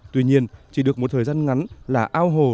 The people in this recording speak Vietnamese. tuy nhiên chỉ được một thời gian ngắn là ao hồ